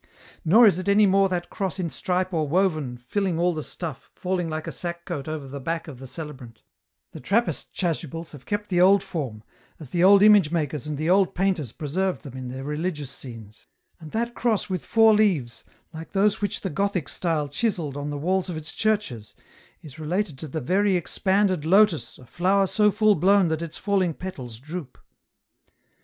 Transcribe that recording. " Nor is it any more that cross in stripe or woven, filling all the stuff, falling like a sack coat over the back of the celebrant ; the Trappist chasubles have kept the old form, as the old image makers and the old painters preserved them in their religious scenes ; and that cross with four leaves, like those which the Gothic style chiselled on the walls of its churches, is related to the very expanded lotus a flower so full blown that its falling petals droop."